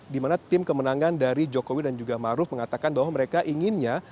dimana tim kemenangan dari jokowi dan juga maruf mengatakan bahwa mereka inginnya